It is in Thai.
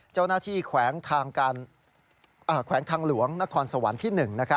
เจ้าหน้าที่แขวงทางหลวงนครสวรรค์ที่๑